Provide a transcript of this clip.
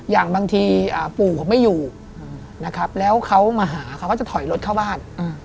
อย่างบางทีปู่เขาไม่อยู่นะครับแล้วเขามาหาเขาก็จะถอยรถเข้าบ้าน